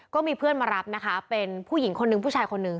ก็มีเพื่อนมารับนะคะเป็นผู้หญิงคนนึงผู้ชายคนนึง